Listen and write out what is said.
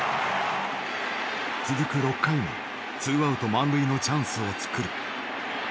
続く６回もツーアウト満塁のチャンスを作る。